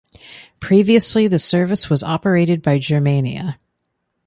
Previously the service was operated by Germania.